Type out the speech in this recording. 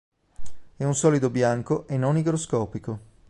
È un solido bianco e non igroscopico.